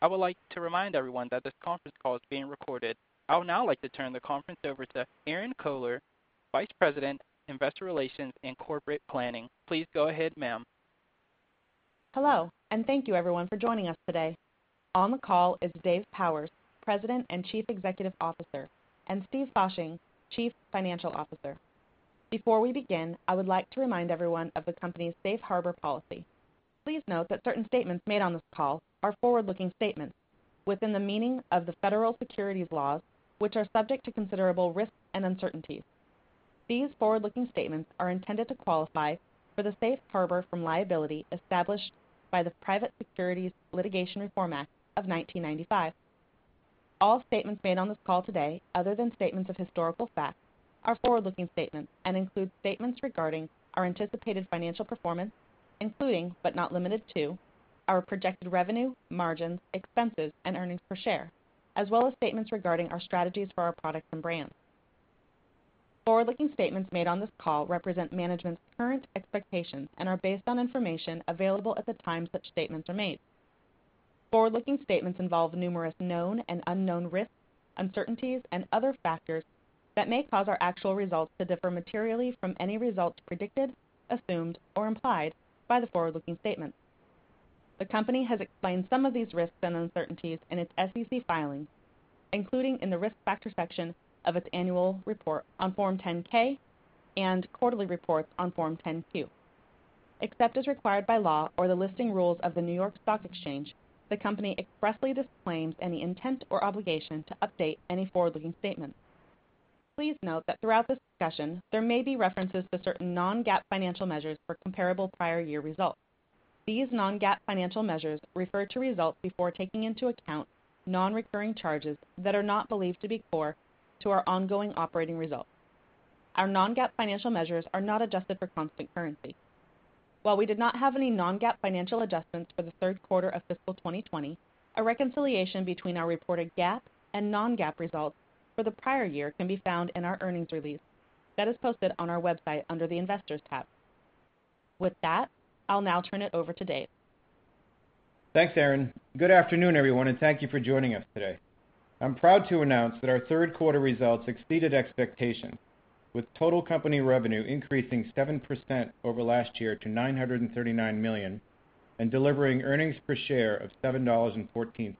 I would like to remind everyone that this conference call is being recorded. I would now like to turn the conference over to Erinn Kohler, Vice President, Investor Relations and Corporate Planning. Please go ahead, ma'am. Hello, and thank you, everyone, for joining us today. On the call is Dave Powers, President and Chief Executive Officer, and Steve Fasching, Chief Financial Officer. Before we begin, I would like to remind everyone of the company's safe harbor policy. Please note that certain statements made on this call are forward-looking statements within the meaning of the federal securities laws, which are subject to considerable risks and uncertainties. These forward-looking statements are intended to qualify for the safe harbor from liability established by the Private Securities Litigation Reform Act of 1995. All statements made on this call today, other than statements of historical facts, are forward-looking statements and include statements regarding our anticipated financial performance, including, but not limited to, our projected revenue, margins, expenses, and earnings per share, as well as statements regarding our strategies for our products and brands. Forward-looking statements made on this call represent management's current expectations and are based on information available at the time such statements are made. Forward-looking statements involve numerous known and unknown risks, uncertainties, and other factors that may cause our actual results to differ materially from any results predicted, assumed, or implied by the forward-looking statements. The company has explained some of these risks and uncertainties in its SEC filings, including in the Risk Factors section of its annual report on Form 10-K and quarterly reports on Form 10-Q. Except as required by law or the listing rules of the New York Stock Exchange, the company expressly disclaims any intent or obligation to update any forward-looking statements. Please note that throughout this discussion, there may be references to certain non-GAAP financial measures for comparable prior year results. These non-GAAP financial measures refer to results before taking into account non-recurring charges that are not believed to be core to our ongoing operating results. Our non-GAAP financial measures are not adjusted for constant currency. While we did not have any non-GAAP financial adjustments for the third quarter of fiscal 2020, a reconciliation between our reported GAAP and non-GAAP results for the prior year can be found in our earnings release that is posted on our website under the investors tab. With that, I'll now turn it over to Dave. Thanks, Erinn. Good afternoon, everyone, and thank you for joining us today. I'm proud to announce that our third quarter results exceeded expectations, with total company revenue increasing 7% over last year to $939 million, delivering earnings per share of $7.14.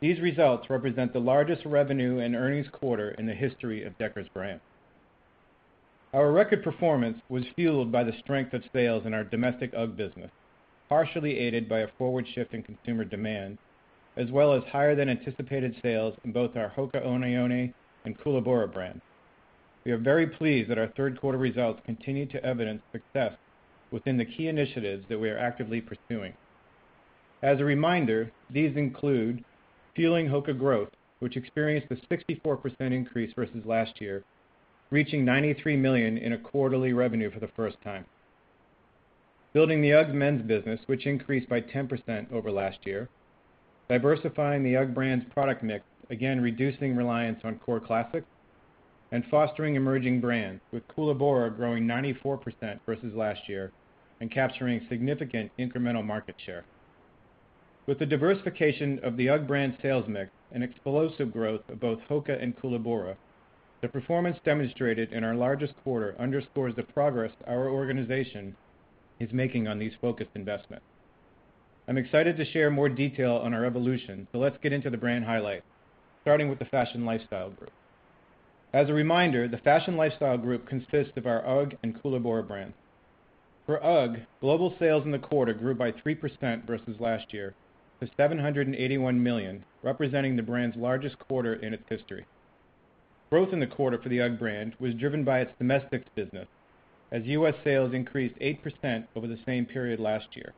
These results represent the largest revenue and earnings quarter in the history of Deckers Brands. Our record performance was fueled by the strength of sales in our domestic UGG business, partially aided by a forward shift in consumer demand, as well as higher than anticipated sales in both our HOKA ONE ONE and Koolaburra brands. We are very pleased that our third quarter results continue to evidence success within the key initiatives that we are actively pursuing. As a reminder, these include fueling HOKA growth, which experienced a 64% increase versus last year, reaching $93 million in a quarterly revenue for the first time. Building the UGG men's business, which increased by 10% over last year. Diversifying the UGG brand's product mix, again reducing reliance on core classics, and fostering emerging brands with Koolaburra growing 94% versus last year and capturing significant incremental market share. With the diversification of the UGG brand sales mix and explosive growth of both HOKA and Koolaburra, the performance demonstrated in our largest quarter underscores the progress our organization is making on these focused investments. I'm excited to share more detail on our evolution. Let's get into the brand highlights, starting with the Fashion Lifestyle group. As a reminder, the Fashion Lifestyle group consists of our UGG and Koolaburra brands. For UGG, global sales in the quarter grew by 3% versus last year to $781 million, representing the brand's largest quarter in its history. Growth in the quarter for the UGG brand was driven by its domestic business, as U.S. sales increased 8% over the same period last year.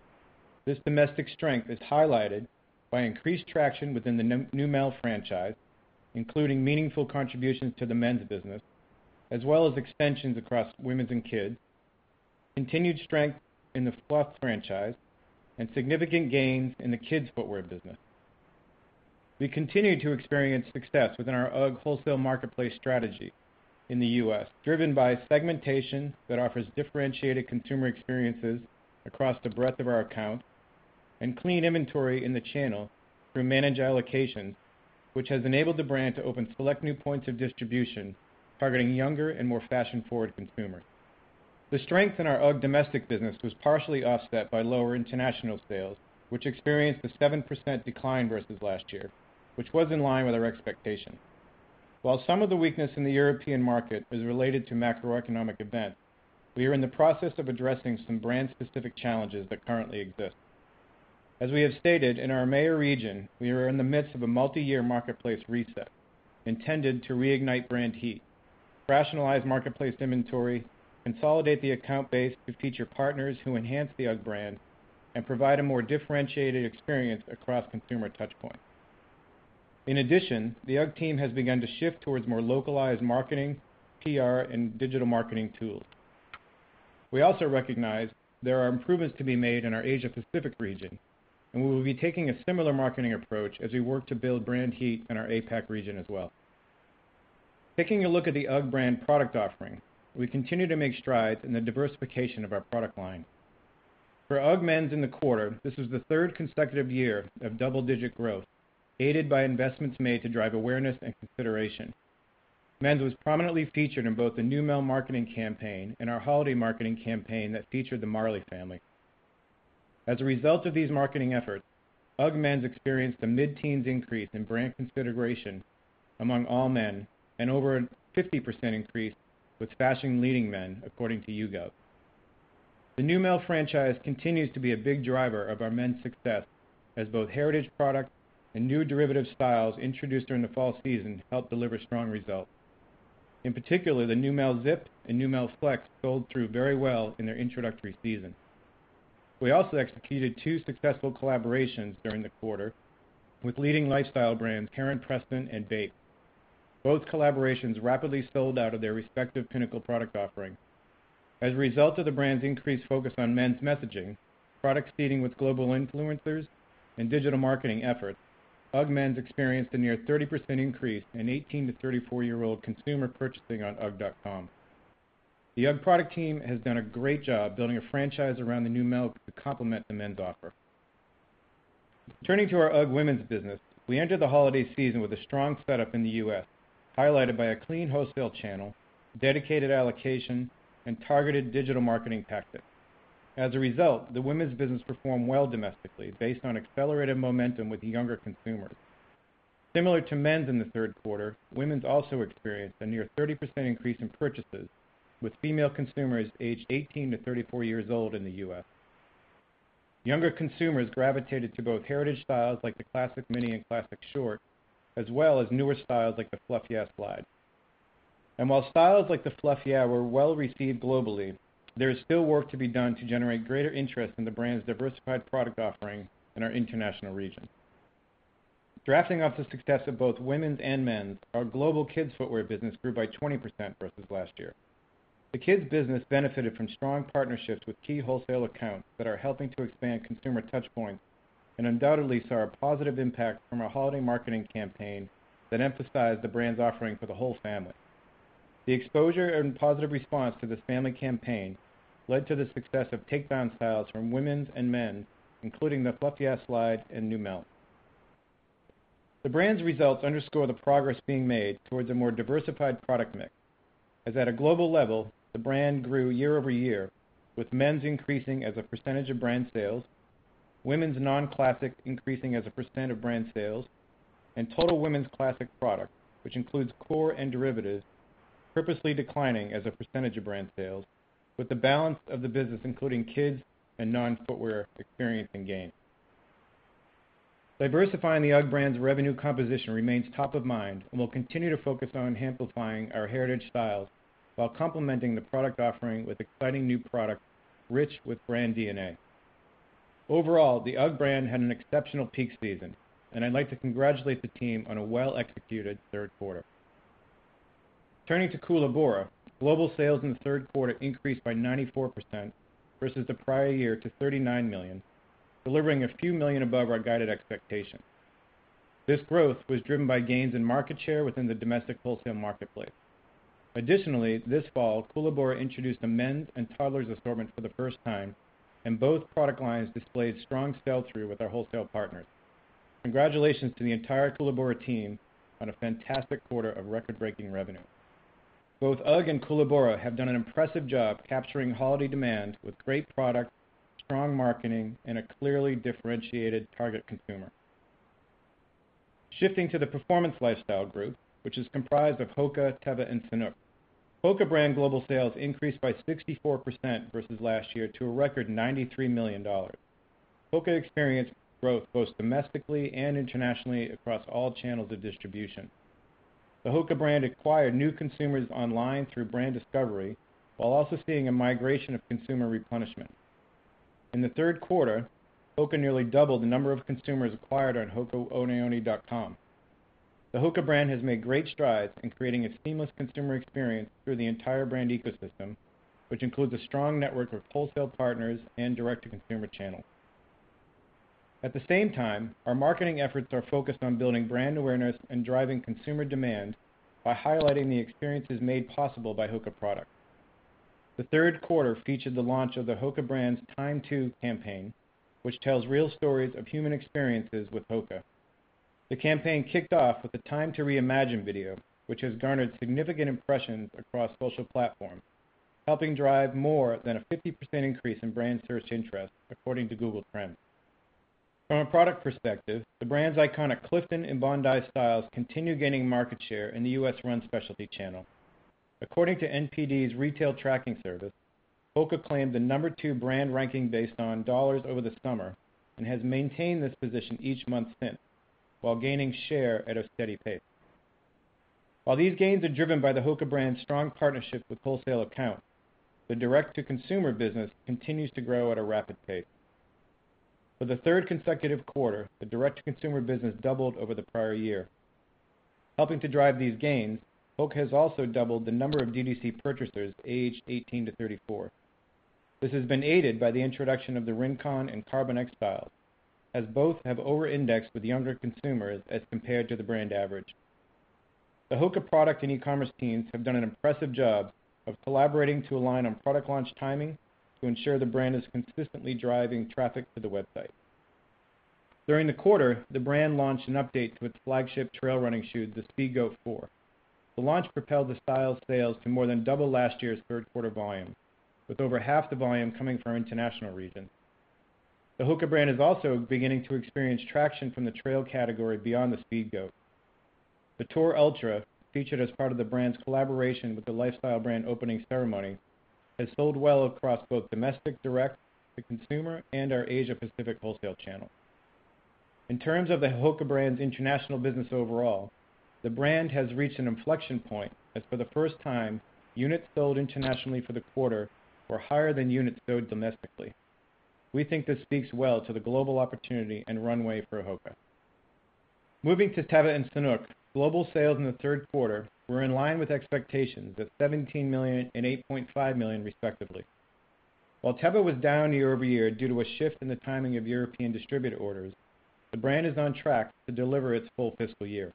This domestic strength is highlighted by increased traction within the Neumel franchise, including meaningful contributions to the men's business, as well as extensions across women's and kids, continued strength in the Fluff franchise, and significant gains in the kids' footwear business. We continue to experience success within our UGG wholesale marketplace strategy in the U.S., driven by segmentation that offers differentiated consumer experiences across the breadth of our accounts and clean inventory in the channel through managed allocations, which has enabled the brand to open select new points of distribution targeting younger and more fashion-forward consumers. The strength in our UGG domestic business was partially offset by lower international sales, which experienced a 7% decline versus last year, which was in line with our expectations. While some of the weakness in the European market is related to macroeconomic events, we are in the process of addressing some brand-specific challenges that currently exist. As we have stated, in our EMEA region, we are in the midst of a multi-year marketplace reset intended to reignite brand heat, rationalize marketplace inventory, consolidate the account base with feature partners who enhance the UGG brand, and provide a more differentiated experience across consumer touchpoints. In addition, the UGG team has begun to shift towards more localized marketing, PR, and digital marketing tools. We also recognize there are improvements to be made in our Asia Pacific region, and we will be taking a similar marketing approach as we work to build brand heat in our APAC region as well. Taking a look at the UGG brand product offering, we continue to make strides in the diversification of our product line. For UGG men's in the quarter, this was the third consecutive year of double-digit growth, aided by investments made to drive awareness and consideration. Men's was prominently featured in both the Neumel marketing campaign and our holiday marketing campaign that featured the Marley family. As a result of these marketing efforts, UGG men's experienced a mid-teens increase in brand consideration among all men, and over a 50% increase with fashion-leading men, according to YouGov. The Neumel franchise continues to be a big driver of our men's success, as both heritage product and new derivative styles introduced during the fall season helped deliver strong results. In particular, the Neumel Zip and Neumel Flex sold through very well in their introductory season. We also executed two successful collaborations during the quarter with leading lifestyle brands Heron Preston and BAPE. Both collaborations rapidly sold out of their respective pinnacle product offering. As a result of the brand's increased focus on men's messaging, product seeding with global influencers, and digital marketing efforts, UGG men's experienced a near 30% increase in 18-34-year-old consumer purchasing on UGG.com. The UGG product team has done a great job building a franchise around the Neumel to complement the men's offer. Turning to our UGG women's business, we entered the holiday season with a strong setup in the U.S., highlighted by a clean wholesale channel, dedicated allocation, and targeted digital marketing tactics. As a result, the women's business performed well domestically based on accelerated momentum with younger consumers. Similar to men's in the third quarter, women's also experienced a near 30% increase in purchases with female consumers aged 18-34 years old in the U.S. Younger consumers gravitated to both heritage styles like the Classic Mini and Classic Short, as well as newer styles like the Fluff Yeah Slide. While styles like the Fluff Yeah were well-received globally, there is still work to be done to generate greater interest in the brand's diversified product offering in our international region. Drafting off the success of both women's and men's, our global kids footwear business grew by 20% versus last year. The kids' business benefited from strong partnerships with key wholesale accounts that are helping to expand consumer touch points and undoubtedly saw a positive impact from our holiday marketing campaign that emphasized the brand's offering for the whole family. The exposure and positive response to this family campaign led to the success of takedown styles from women's and men's, including the Fluff Yeah Slide and Neumel. The brand's results underscore the progress being made towards a more diversified product mix, as at a global level, the brand grew year-over-year, with men's increasing as a percentage of brand sales, women's non-classic increasing as a percent of brand sales, and total women's classic product, which includes core and derivatives, purposely declining as a percentage of brand sales, with the balance of the business, including kids and non-footwear experience and gain. Diversifying the UGG brand's revenue composition remains top of mind, and we'll continue to focus on amplifying our heritage styles while complementing the product offering with exciting new products rich with brand DNA. Overall, the UGG brand had an exceptional peak season, and I'd like to congratulate the team on a well-executed third quarter. Turning to Koolaburra, global sales in the third quarter increased by 94% versus the prior year to $39 million, delivering a few million above our guided expectation. This growth was driven by gains in market share within the domestic wholesale marketplace. Additionally, this fall, Koolaburra introduced a men's and toddlers' assortment for the first time, and both product lines displayed strong sell-through with our wholesale partners. Congratulations to the entire Koolaburra team on a fantastic quarter of record-breaking revenue. Both UGG and Koolaburra have done an impressive job capturing holiday demand with great product, strong marketing, and a clearly differentiated target consumer. Shifting to the Performance Lifestyle group, which is comprised of HOKA, Teva, and Sanuk. HOKA brand global sales increased by 64% versus last year to a record $93 million. HOKA experienced growth both domestically and internationally across all channels of distribution. The HOKA brand acquired new consumers online through brand discovery, while also seeing a migration of consumer replenishment. In the third quarter, HOKA nearly doubled the number of consumers acquired on hokaoneone.com. The HOKA brand has made great strides in creating a seamless consumer experience through the entire brand ecosystem, which includes a strong network of wholesale partners and direct-to-consumer channels. At the same time, our marketing efforts are focused on building brand awareness and driving consumer demand by highlighting the experiences made possible by HOKA products. The third quarter featured the launch of the HOKA brand's Time To Fly campaign, which tells real stories of human experiences with HOKA. The campaign kicked off with the Time To Reimagine video, which has garnered significant impressions across social platforms, helping drive more than a 50% increase in brand search interest, according to Google Trends. From a product perspective, the brand's iconic Clifton and Bondi styles continue gaining market share in the U.S. run specialty channel. According to NPD's Retail Tracking Service, HOKA claimed the number two brand ranking based on dollars over the summer and has maintained this position each month since, while gaining share at a steady pace. While these gains are driven by the HOKA brand's strong partnership with wholesale accounts, the direct-to-consumer business continues to grow at a rapid pace. For the third consecutive quarter, the direct-to-consumer business doubled over the prior year. Helping to drive these gains, HOKA has also doubled the number of D2C purchasers aged 18-34 years old. This has been aided by the introduction of the Rincon and Carbon X styles, as both have over-indexed with younger consumers as compared to the brand average. The HOKA product and e-commerce teams have done an impressive job of collaborating to align on product launch timing to ensure the brand is consistently driving traffic to the website. During the quarter, the brand launched an update to its flagship trail running shoe, the Speedgoat 4. The launch propelled the style's sales to more than double last year's third quarter volume, with over 50% the volume coming from our international region. The HOKA brand is also beginning to experience traction from the trail category beyond the Speedgoat. The Tor Ultra, featured as part of the brand's collaboration with the lifestyle brand Opening Ceremony, has sold well across both domestic direct-to-consumer and our Asia-Pacific wholesale channel. In terms of the HOKA brand's international business overall, the brand has reached an inflection point, as for the first time, units sold internationally for the quarter were higher than units sold domestically. We think this speaks well to the global opportunity and runway for HOKA. Moving to Teva and Sanuk, global sales in the third quarter were in line with expectations at $17 million and $8.5 million, respectively. While Teva was down year-over-year due to a shift in the timing of European distributor orders, the brand is on track to deliver its full fiscal year.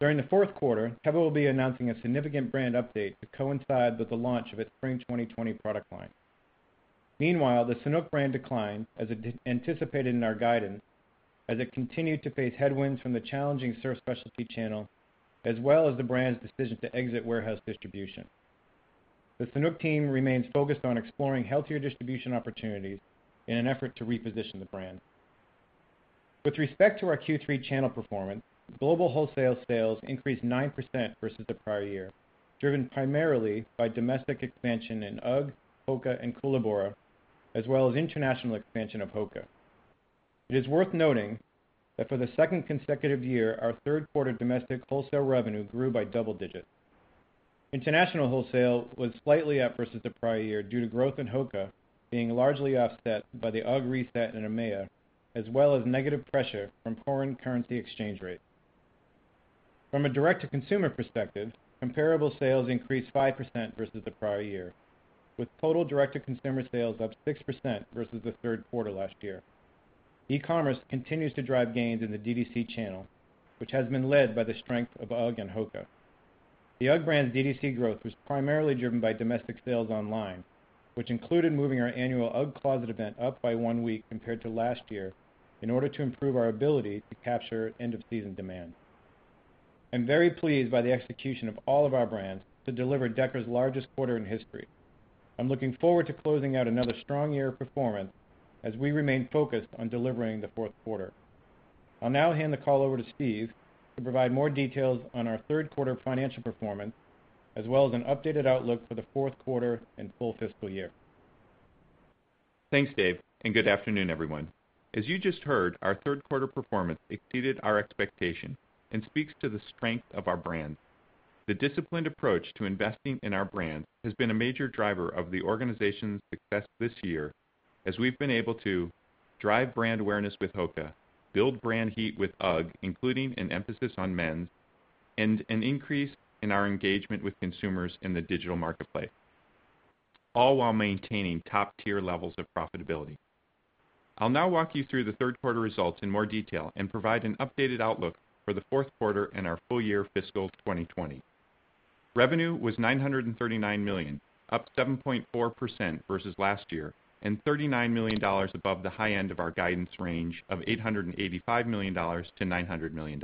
During the fourth quarter, Teva will be announcing a significant brand update to coincide with the launch of its spring 2020 product line. Meanwhile, the Sanuk brand declined as anticipated in our guidance, as it continued to face headwinds from the challenging surf specialty channel, as well as the brand's decision to exit warehouse distribution. The Sanuk team remains focused on exploring healthier distribution opportunities in an effort to reposition the brand. With respect to our Q3 channel performance, global wholesale sales increased 9% versus the prior year, driven primarily by domestic expansion in UGG, HOKA, and Koolaburra, as well as international expansion of HOKA. It is worth noting that for the second consecutive year, our third quarter domestic wholesale revenue grew by double digits. International wholesale was slightly up versus the prior year due to growth in HOKA being largely offset by the UGG reset in EMEA, as well as negative pressure from foreign currency exchange rates. From a direct-to-consumer perspective, comparable sales increased 5% versus the prior year, with total direct-to-consumer sales up 6% versus the third quarter last year. E-commerce continues to drive gains in the DTC channel, which has been led by the strength of UGG and HOKA. The UGG brand's DTC growth was primarily driven by domestic sales online, which included moving our annual UGG Closet event up by one week compared to last year in order to improve our ability to capture end-of-season demand. I'm very pleased by the execution of all of our brands to deliver Deckers' largest quarter in history. I'm looking forward to closing out another strong year of performance as we remain focused on delivering the fourth quarter. I'll now hand the call over to Steve to provide more details on our third quarter financial performance, as well as an updated outlook for the fourth quarter and full fiscal year. Thanks, Dave. Good afternoon, everyone. As you just heard, our third quarter performance exceeded our expectation and speaks to the strength of our brands. The disciplined approach to investing in our brands has been a major driver of the organization's success this year, as we've been able to drive brand awareness with HOKA, build brand heat with UGG, including an emphasis on men's, and an increase in our engagement with consumers in the digital marketplace, all while maintaining top-tier levels of profitability. I'll now walk you through the third quarter results in more detail and provide an updated outlook for the fourth quarter and our full year fiscal 2020. Revenue was $939 million, up 7.4% versus last year and $39 million above the high end of our guidance range of $885 million-$900 million.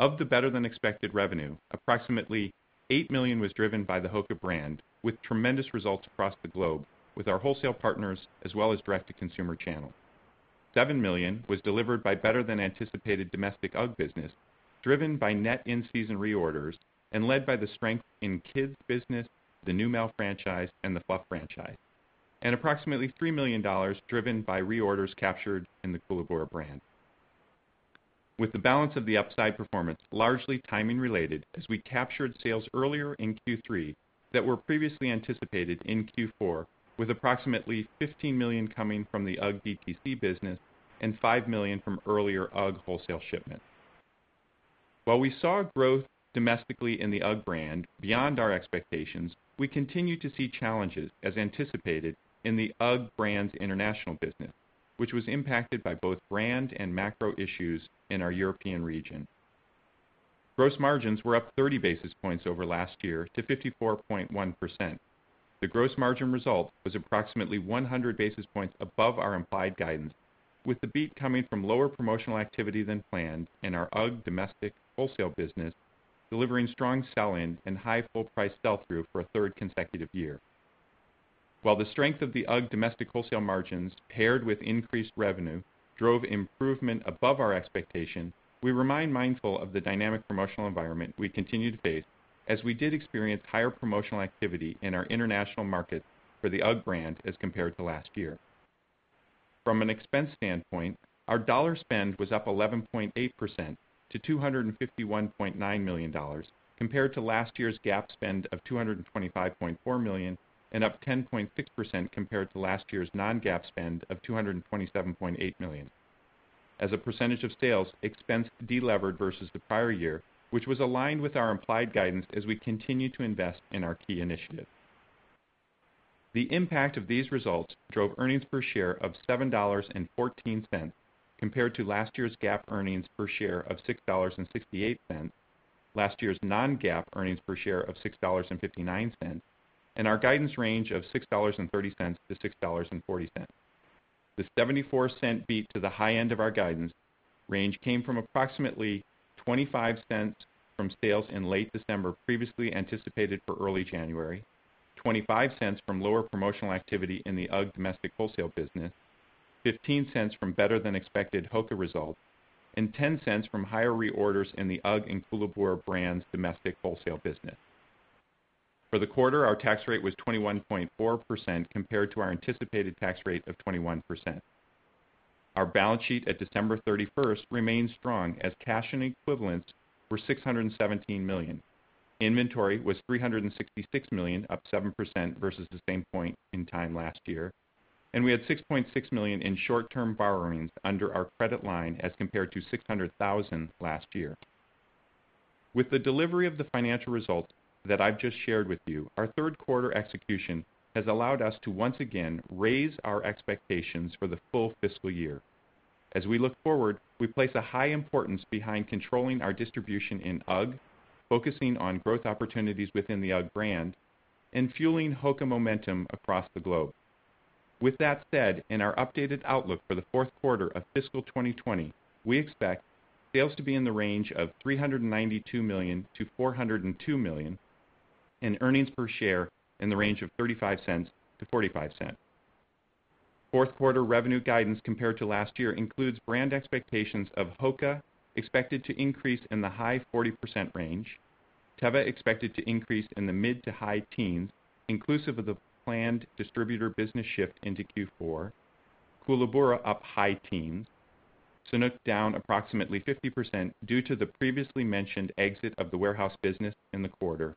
Of the better-than-expected revenue, approximately $8 million was driven by the HOKA brand with tremendous results across the globe with our wholesale partners as well as direct-to-consumer channel. $7 million was delivered by better-than-anticipated domestic UGG business, driven by net in-season reorders and led by the strength in kids business, the Neumel franchise, and the Fluff franchise, and approximately $3 million driven by reorders captured in the Koolaburra brand. With the balance of the upside performance largely timing related, as we captured sales earlier in Q3 that were previously anticipated in Q4, with approximately $15 million coming from the UGG DTC business and $5 million from earlier UGG wholesale shipments. While we saw growth domestically in the UGG brand beyond our expectations, we continue to see challenges as anticipated in the UGG brand's international business, which was impacted by both brand and macro issues in our European region. Gross margins were up 30 basis points over last year to 54.1%. The gross margin result was approximately 100 basis points above our implied guidance, with the beat coming from lower promotional activity than planned in our UGG domestic wholesale business, delivering strong sell-in and high full-price sell-through for a third consecutive year. While the strength of the UGG domestic wholesale margins, paired with increased revenue, drove improvement above our expectations, we remain mindful of the dynamic promotional environment we continue to face as we did experience higher promotional activity in our international markets for the UGG brand as compared to last year. From an expense standpoint, our dollar spend was up 11.8% to $251.9 million compared to last year's GAAP spend of $225.4 million and up 10.6% compared to last year's non-GAAP spend of $227.8 million. As a percentage of sales, expense delevered versus the prior year, which was aligned with our implied guidance, as we continue to invest in our key initiatives. The impact of these results drove earnings per share of $7.14, compared to last year's GAAP earnings per share of $6.68, last year's non-GAAP earnings per share of $6.59, and our guidance range of $6.30-$6.40. The $0.74 beat to the high end of our guidance range came from approximately $0.25 from sales in late December previously anticipated for early January, $0.25 from lower promotional activity in the UGG domestic wholesale business, $0.15 from better-than-expected HOKA results, and $0.10 from higher reorders in the UGG and Koolaburra brands' domestic wholesale business. For the quarter, our tax rate was 21.4% compared to our anticipated tax rate of 21%. Our balance sheet at December 31st remains strong as cash and equivalents were $617 million. Inventory was $366 million, up 7% versus the same point in time last year. We had $6.6 million in short-term borrowings under our credit line as compared to $600,000 last year. With the delivery of the financial results that I've just shared with you, our third quarter execution has allowed us to once again raise our expectations for the full fiscal year. As we look forward, we place a high importance behind controlling our distribution in UGG, focusing on growth opportunities within the UGG brand, and fueling HOKA momentum across the globe. With that said, in our updated outlook for the fourth quarter of fiscal 2020, we expect sales to be in the range of $392 million-$402 million, and earnings per share in the range of $0.35-$0.45. Fourth quarter revenue guidance compared to last year includes brand expectations of HOKA expected to increase in the high 40% range, Teva expected to increase in the mid to high teens inclusive of the planned distributor business shift into Q4, Koolaburra up high teens, Sanuk down approximately 50% due to the previously mentioned exit of the warehouse business in the quarter,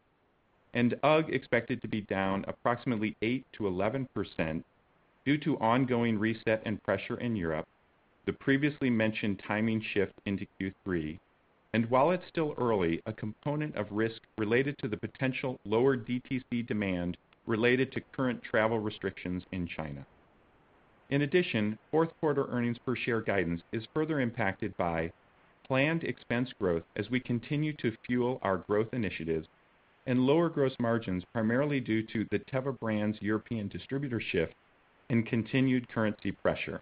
and UGG expected to be down approximately 8%-11% due to ongoing reset and pressure in Europe, the previously mentioned timing shift into Q3, and while it's still early, a component of risk related to the potential lower DTC demand related to current travel restrictions in China. Fourth quarter earnings per share guidance is further impacted by planned expense growth as we continue to fuel our growth initiatives, and lower gross margins primarily due to the Teva brand's European distributor shift and continued currency pressure.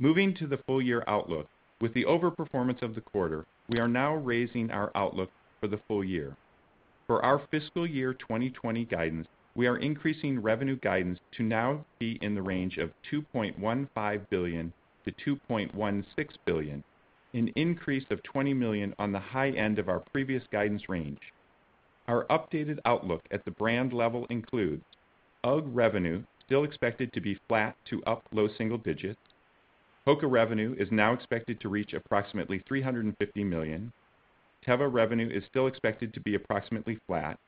Moving to the full year outlook. With the over-performance of the quarter, we are now raising our outlook for the full year. For our fiscal year 2020 guidance, we are increasing revenue guidance to now be in the range of $2.15 billion-$2.16 billion, an increase of $20 million on the high end of our previous guidance range. Our updated outlook at the brand level includes UGG revenue, still expected to be flat to up low single digits. HOKA revenue is now expected to reach approximately $350 million. Teva's revenue is still expected to be approximately flat.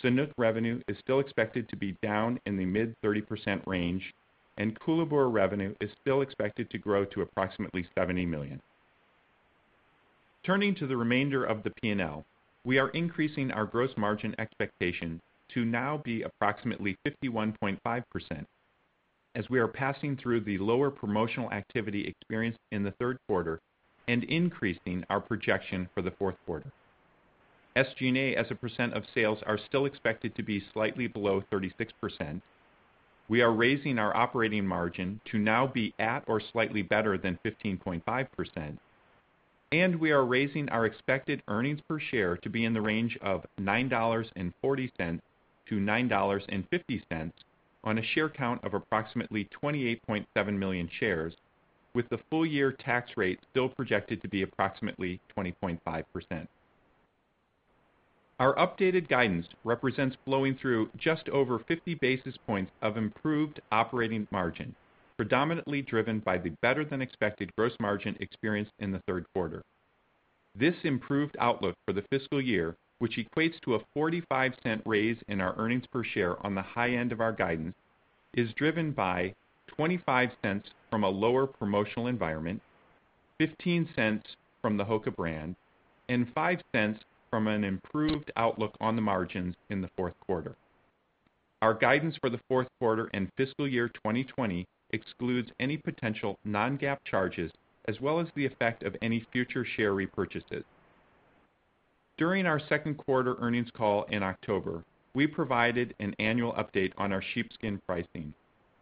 Sanuk revenue is still expected to be down in the mid 30% range, and Koolaburra revenue is still expected to grow to approximately $70 million. Turning to the remainder of the P&L. We are increasing our gross margin expectation to now be approximately 51.5% as we are passing through the lower promotional activity experienced in the third quarter and increasing our projection for the fourth quarter. SG&A as a percentage of sales are still expected to be slightly below 36%. We are raising our operating margin to now be at or slightly better than 15.5%, and we are raising our expected earnings per share to be in the range of $9.40-$9.50 on a share count of approximately 28.7 million shares, with the full-year tax rate still projected to be approximately 20.5%. Our updated guidance represents flowing through just over 50 basis points of improved operating margin, predominantly driven by the better-than-expected gross margin experienced in the third quarter. This improved outlook for the fiscal year, which equates to a $0.45 raise in our EPS on the high end of our guidance, is driven by $0.25 from a lower promotional environment, $0.15 from the HOKA brand, and $0.05 from an improved outlook on the margins in the fourth quarter. Our guidance for the fourth quarter and fiscal year 2020 excludes any potential non-GAAP charges, as well as the effect of any future share repurchases. During our second quarter earnings call in October, we provided an annual update on our sheepskin pricing.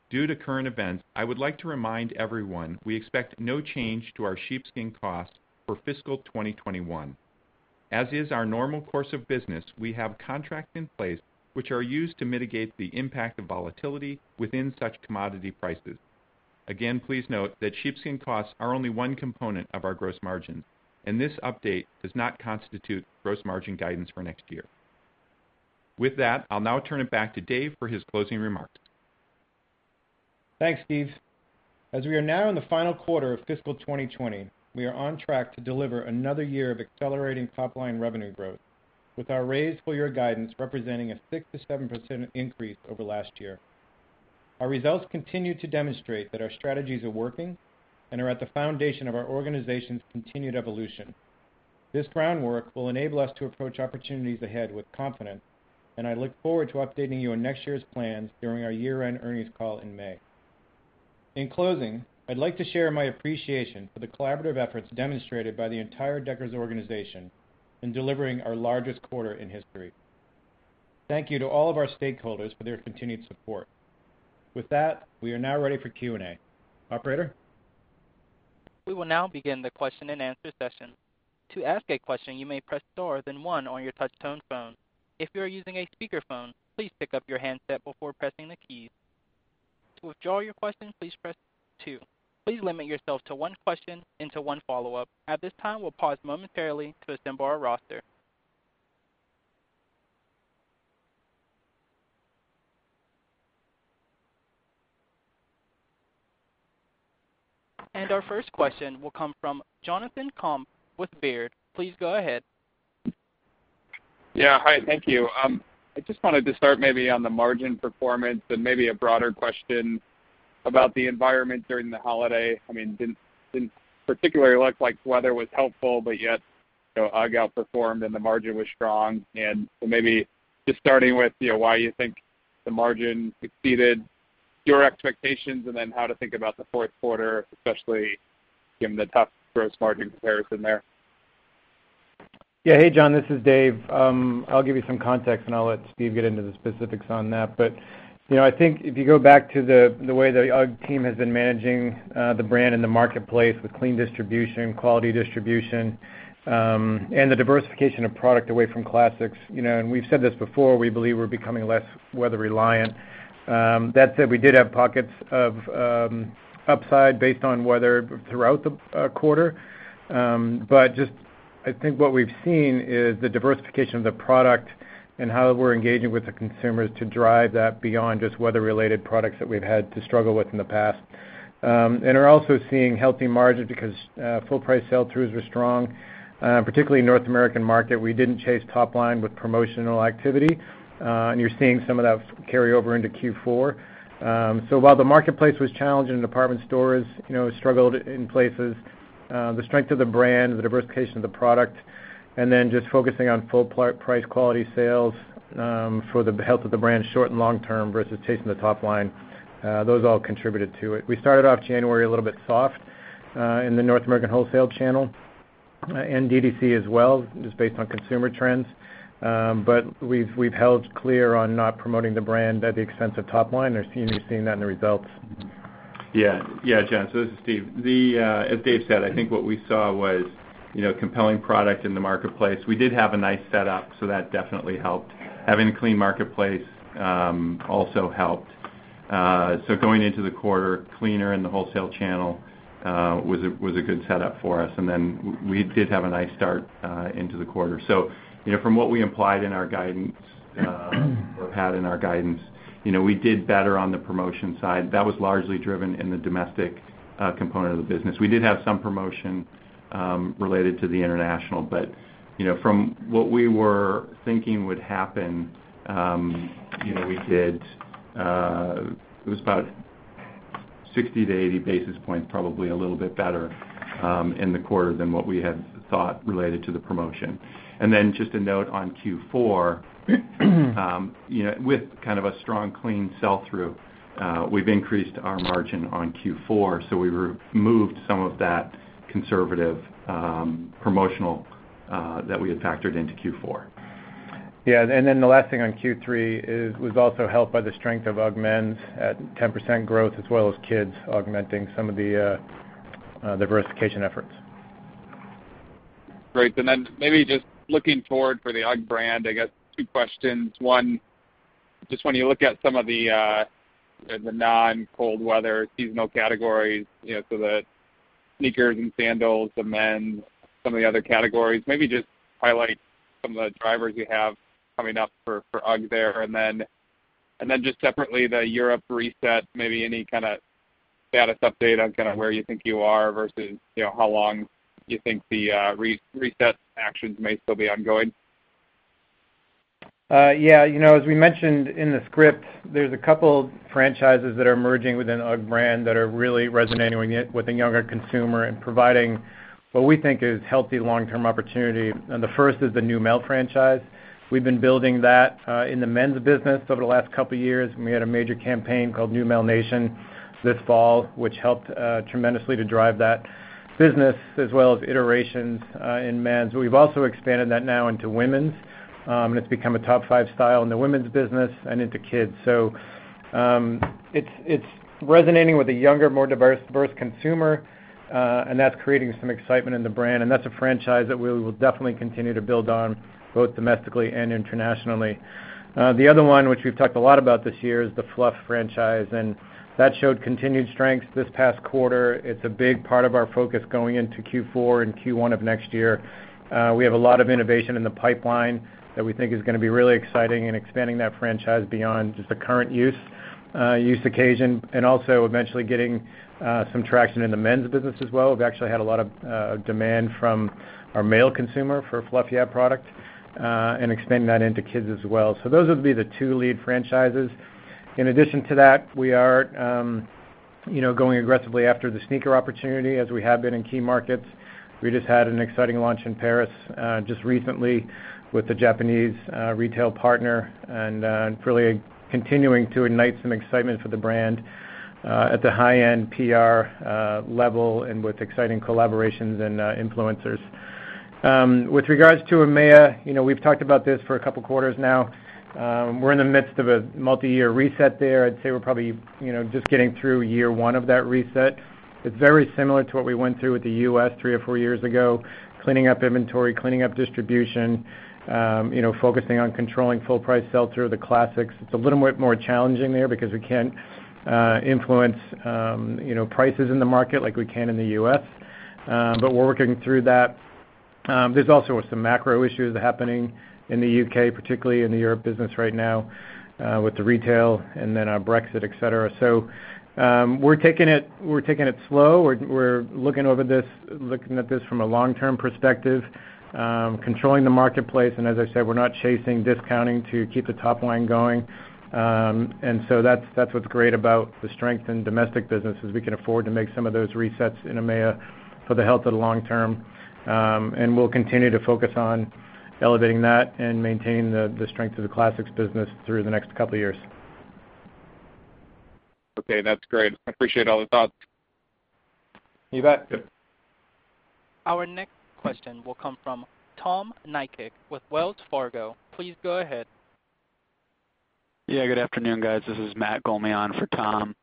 Due to current events, I would like to remind everyone, we expect no change to our sheepskin costs for fiscal 2021. As is our normal course of business, we have contracts in place which are used to mitigate the impact of volatility within such commodity prices. Please note that sheepskin costs are only one component of our gross margin, and this update does not constitute gross margin guidance for next year. With that, I will now turn it back to Dave for his closing remarks. Thanks, Steve. As we are now in the final quarter of fiscal 2020, we are on track to deliver another year of accelerating top-line revenue growth. With our raised full-year guidance representing a 6%-7% increase over last year. Our results continue to demonstrate that our strategies are working and are at the foundation of our organization's continued evolution. This groundwork will enable us to approach opportunities ahead with confidence, and I look forward to updating you on next year's plans during our year-end earnings call in May. In closing, I'd like to share my appreciation for the collaborative efforts demonstrated by the entire Deckers organization in delivering our largest quarter in history. Thank you to all of our stakeholders for their continued support. With that, we are now ready for Q&A. Operator? We will now begin the question-and-answer session. To ask a question, you may press star, then one on your touchtone phone. If you are using a speakerphone, please pick up your handset before pressing the keys. To withdraw your question, please press two. Please limit yourself to one question and to one follow-up. At this time, we'll pause momentarily to assemble our roster. Our first question will come from Jonathan Komp with Baird. Please go ahead. Yeah. Hi, thank you. I just wanted to start maybe on the margin performance and maybe a broader question about the environment during the holiday. I mean, it didn't particularly look like the weather was helpful. Yet, UGG outperformed, and the margin was strong. So maybe just starting with why you think the margin exceeded your expectations, and then how to think about the fourth quarter, especially given the tough gross margin comparison there? Hey, Jon, this is Dave. I'll give you some context, I'll let Steve get into the specifics on that. I think if you go back to the way the UGG team has been managing the brand in the marketplace, with clean distribution, quality distribution, and the diversification of product away from classics. We've said this before, we believe we're becoming less weather-reliant. That said, we did have pockets of upside based on weather throughout the quarter. I think what we've seen is the diversification of the product and how we're engaging with the consumers to drive that beyond weather-related products that we've had to struggle with in the past. Are also seeing healthy margins because full price sell-throughs were strong. Particularly in North American market, we didn't chase top line with promotional activity. You're seeing some of that carry over into Q4. While the marketplace was challenging and department stores struggled in places, the strength of the brand, the diversification of the product, and then just focusing on full price quality sales for the health of the brand, short and long term, versus chasing the top line, those all contributed to it. We started off January a little bit soft in the North American wholesale channel, and DTC as well, just based on consumer trends. We've held clear on not promoting the brand at the expense of top line, and you're seeing that in the results. Jon, this is Steve. As Dave said, I think what we saw was compelling product in the marketplace. We did have a nice setup, that definitely helped. Having a clean marketplace also helped. Going into the quarter cleaner in the wholesale channel was a good setup for us. We did have a nice start into the quarter. From what we implied in our guidance or have had in our guidance, we did better on the promotion side. That was largely driven in the domestic component of the business. We did have some promotion related to the international, but from what we were thinking would happen, it was about 60-80 basis points, probably a little bit better in the quarter than what we had thought related to the promotion. Just a note on Q4, with kind of a strong clean sell-through, we've increased our margin on Q4, so we removed some of that conservative promotional that we had factored into Q4. Yeah. The last thing on Q3, it was also helped by the strength of UGG men's at 10% growth as well as kids, augmenting some of the diversification efforts. Great. Maybe just looking forward for the UGG brand, I got two questions. One, just when you look at some of the non-cold weather seasonal categories, so the sneakers and sandals, the men's, some of the other categories, maybe just highlight some of the drivers you have coming up for UGG there. Just separately, the Europe reset, maybe any kind of status update on where you think you are versus how long you think the reset actions may still be ongoing? As we mentioned in the script, there's a couple franchises that are merging within UGG brand that are really resonating with the younger consumer and providing what we think is healthy long-term opportunity. The first is the Neumel franchise. We've been building that in the men's business over the last couple of years, and we had a major campaign called Neumel Nation this fall, which helped tremendously to drive that business as well as iterations in men's. We've also expanded that now into women's, and it's become a top five style in the women's business and into kids. It's resonating with a younger, more diverse consumer, and that's creating some excitement in the brand. That's a franchise that we will definitely continue to build on both domestically and internationally. The other one, which we've talked a lot about this year, is the Fluff franchise. That showed continued strength this past quarter. It's a big part of our focus going into Q4 and Q1 of next year. We have a lot of innovation in the pipeline that we think is going to be really exciting and expanding that franchise beyond just the current use occasion and also eventually getting some traction in the men's business as well. We've actually had a lot of demand from our male consumers for Fluff Yeah product. Extending that into kids as well. Those would be the two lead franchises. In addition to that, we are going aggressively after the sneaker opportunity as we have been in key markets. We just had an exciting launch in Paris, just recently, with a Japanese retail partner, and really continuing to ignite some excitement for the brand at the high-end PR level and with exciting collaborations and influencers. With regards to EMEA, we've talked about this for a couple of quarters now. We're in the midst of a multi-year reset there. I'd say we're probably just getting through year one of that reset. It's very similar to what we went through with the U.S. three or four years ago, cleaning up inventory, cleaning up distribution, focusing on controlling full price sell-through of the classics. It's a little bit more challenging there because we can't influence prices in the market like we can in the U.S., but we're working through that. There's also some macro issues happening in the U.K., particularly in the Europe business right now, with the retail and then Brexit, et cetera. We're taking it slow. We're looking at this from a long-term perspective, controlling the marketplace, and as I said, we're not chasing discounting to keep the top line going. That's what's great about the strength in domestic business, is we can afford to make some of those resets in EMEA for the health of the long term. We'll continue to focus on elevating that and maintain the strength of the Classics business through the next couple of years. Okay. That's great. I appreciate all the thoughts. You bet. Our next question will come from Tom Nikic with Wells Fargo. Please go ahead. Good afternoon, guys. This is Matt Gulmi on for Tom.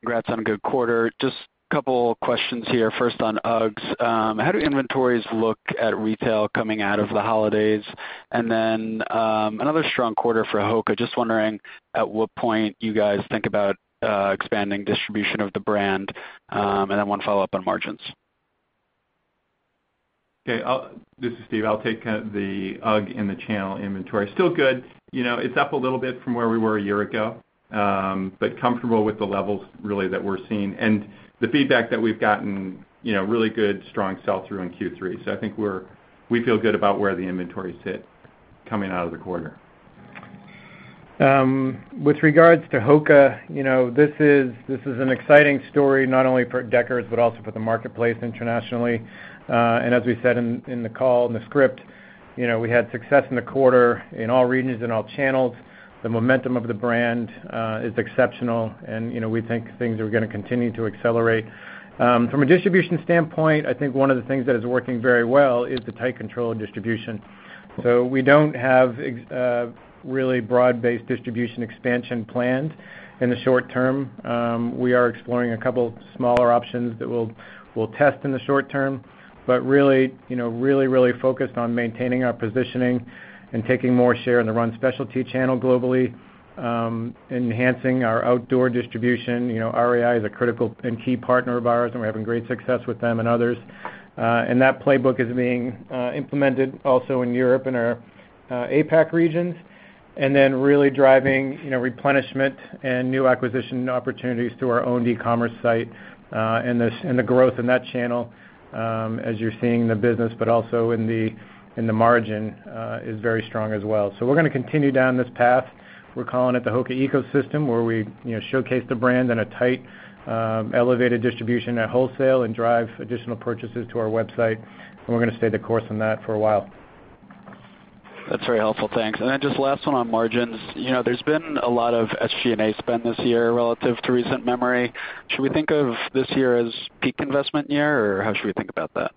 Congrats on a good quarter. Just a couple of questions here. First on UGGs. How do inventories look at retail coming out of the holidays? Another strong quarter for HOKA. Just wondering at what point you guys think about expanding distribution of the brand? Then I have one follow-up on margins. Okay. This is Steve. I'll take the UGG and the channel inventory. Still good. It's up a little bit from where we were a year ago, but comfortable with the levels really that we're seeing. The feedback that we've gotten, really good, strong sell-through in Q3. I think we feel good about where the inventories sit coming out of the quarter. With regards to HOKA, this is an exciting story not only for Deckers but also for the marketplace internationally. As we said in the call, in the script, we had success in the quarter in all regions and all channels. The momentum of the brand is exceptional, and we think things are going to continue to accelerate. From a distribution standpoint, I think one of the things that is working very well is the tight control of distribution. We don't have a really broad-based distribution expansion planned in the short term. We are exploring a couple of smaller options that we'll test in the short term, but really, really focused on maintaining our positioning and taking more share in the run specialty channel globally, enhancing our outdoor distribution. REI is a critical and key partner of ours, and we're having great success with them and others. That playbook is being implemented also in Europe and our APAC regions. Really driving replenishment and new acquisition opportunities through our own e-commerce site, and the growth in that channel, as you're seeing in the business, but also in the margin, is very strong as well. We're going to continue down this path. We're calling it the HOKA ecosystem, where we showcase the brand in a tight, elevated distribution at wholesale and drive additional purchases to our website. We're going to stay the course on that for a while. That's very helpful. Thanks. Just last one on margins. There's been a lot of SG&A spend this year relative to recent memory. Should we think of this year as peak investment year, or how should we think about that?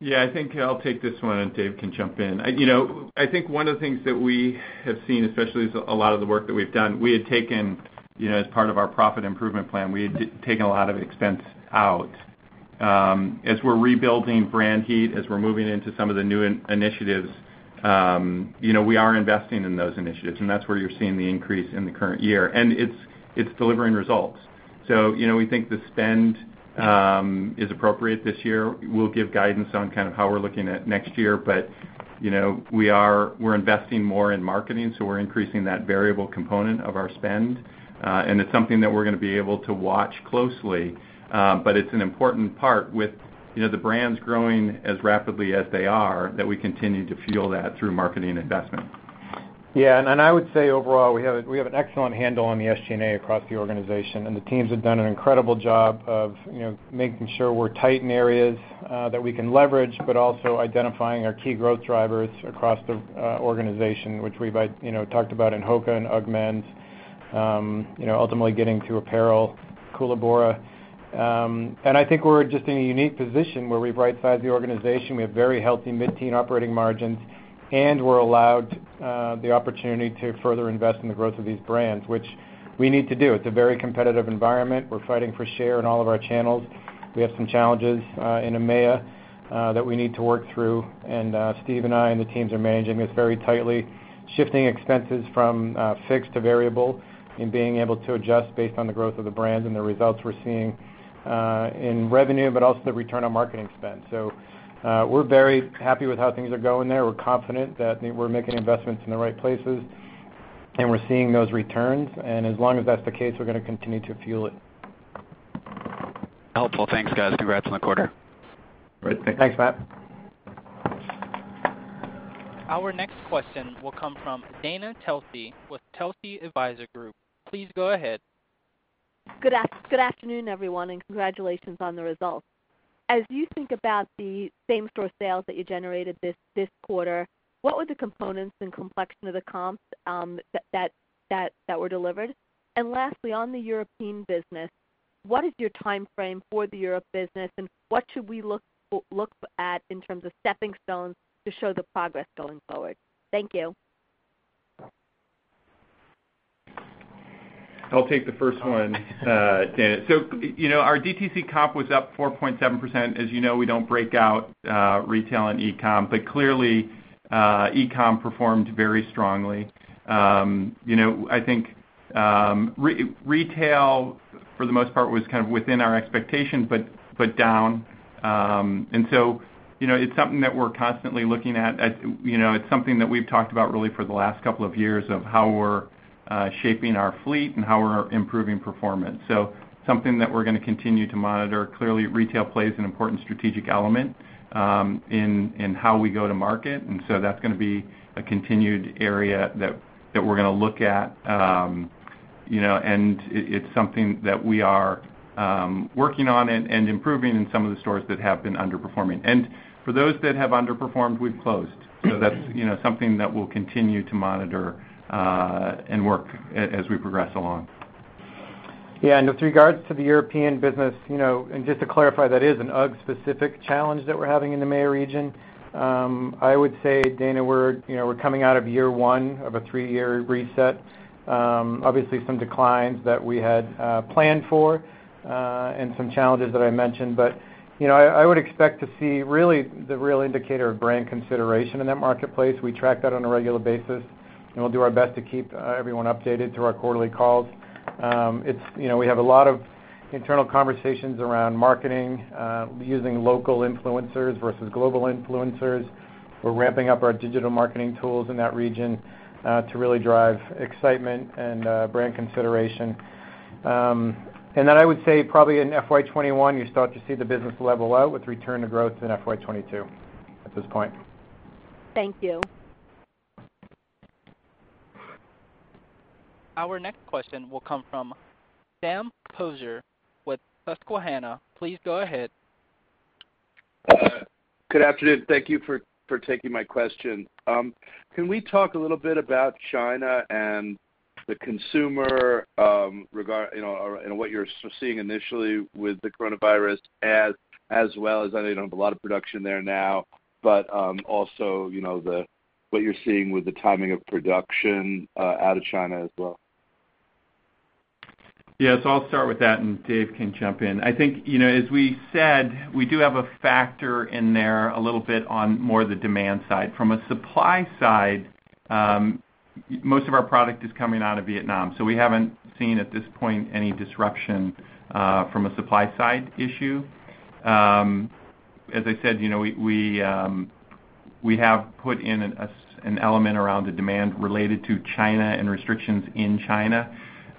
Yeah. I think I'll take this one, and Dave can jump in. I think one of the things that we have seen, especially as a lot of the work that we've done, as part of our profit improvement plan, we had taken a lot of expense out. As we're rebuilding brand heat, as we're moving into some of the new initiatives, we are investing in those initiatives, and that's where you're seeing the increase in the current year. It's delivering results. We think the spend is appropriate this year. We'll give guidance on how we're looking at next year, but we're investing more in marketing, so we're increasing that variable component of our spend. It's something that we're going to be able to watch closely. It's an important part with the brands growing as rapidly as they are, that we continue to fuel that through marketing investment. Yeah. I would say overall, we have an excellent handle on the SG&A across the organization, and the teams have done an incredible job of making sure we're tight in areas that we can leverage, but also identifying our key growth drivers across the organization, which we've talked about in HOKA and UGG men's, ultimately getting to apparel, Koolaburra. I think we're just in a unique position where we've right-sized the organization. We have very healthy mid-teen operating margins, we're allowed the opportunity to further invest in the growth of these brands, which we need to do. It's a very competitive environment. We're fighting for share in all of our channels. We have some challenges in EMEA that we need to work through. Steve and I and the teams are managing this very tightly, shifting expenses from fixed to variable and being able to adjust based on the growth of the brands and the results we're seeing in revenue, but also the return on marketing spend. We're very happy with how things are going there. We're confident that we're making investments in the right places, and we're seeing those returns. As long as that's the case, we're going to continue to fuel it. Helpful. Thanks, guys. Congrats on the quarter. Great. Thanks. Thanks, Matt. Our next question will come from Dana Telsey with Telsey Advisory Group. Please go ahead. Good afternoon, everyone, and congratulations on the results. As you think about the same-store sales that you generated this quarter, what were the components and complexion of the comps that were delivered? Lastly, on the European business, what is your timeframe for the Europe business, and what should we look at in terms of stepping stones to show the progress going forward? Thank you. I'll take the first one. Dana, our DTC comp was up 4.7%. As you know, we don't break out retail and e-com, but clearly, e-com performed very strongly. I think retail, for the most part, was kind of within our expectations, but down. It's something that we're constantly looking at. It's something that we've talked about really for the last couple of years, of how we're shaping our fleet and how we're improving performance. Something that we're going to continue to monitor. Clearly, retail plays an important strategic element in how we go to market, and so that's going to be a continued area that we're going to look at. It's something that we are working on and improving in some of the stores that have been underperforming. For those that have underperformed, we've closed. That's something that we'll continue to monitor and work as we progress along. Yeah. With regards to the European business, just to clarify, that is an UGG-specific challenge that we're having in the EMEA region. I would say, Dana, we're coming out of year one of a three-year reset. Obviously, some declines that we had planned for and some challenges that I mentioned. I would expect to see really the real indicator of brand consideration in that marketplace. We track that on a regular basis, we'll do our best to keep everyone updated through our quarterly calls. We have a lot of internal conversations around marketing, using local influencers versus global influencers. We're ramping up our digital marketing tools in that region to really drive excitement and brand consideration. I would say probably in FY 2021, you start to see the business level out with return to growth in FY 2022 at this point. Thank you. Our next question will come from Sam Poser with Susquehanna. Please go ahead. Good afternoon. Thank you for taking my question. Can we talk a little bit about China and the consumer, and what you're seeing initially with the coronavirus as well as, I know you don't have a lot of production there now, but also what you're seeing with the timing of production out of China as well? Yeah. I'll start with that, and Dave can jump in. I think, as we said, we do have a factor in there a little bit on more the demand side. From a supply side, most of our product is coming out of Vietnam. We haven't seen, at this point, any disruption from a supply-side issue. As I said, we have put in an element around the demand related to China and restrictions in China.